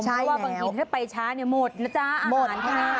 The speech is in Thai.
เพราะว่าบางทีถ้าไปช้าเนี่ยหมดนะจ๊ะอาหารค่ะ